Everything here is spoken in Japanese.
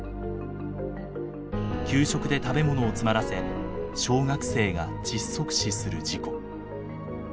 給食で食べ物を詰まらせ小学生が窒息死する事故。